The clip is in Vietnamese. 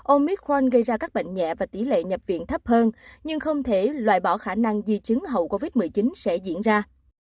ông mid khoan gây ra các bệnh nhẹ và tỷ lệ nhập viện thấp hơn nhưng không thể loại bỏ khả năng di chứng hậu covid một mươi chín sẽ diễn ra